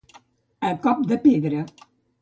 A cop de pedra.